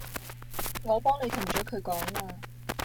我幫你同咗佢講啦